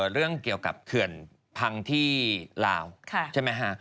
เรื่องเกี่ยวกับเขื่อนพังที่ลาวใช่ไหมฮะ